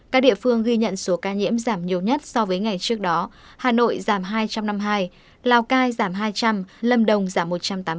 các địa phương ghi nhận số ca nhiễm giảm nhiều nhất so với ngày trước đó hà nội giảm hai trăm năm mươi hai lào cai giảm hai trăm linh lâm đồng giảm một trăm tám mươi tám